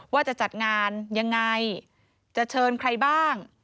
ว่าจะจัดงานยังไงจะเชิญใครบ้าง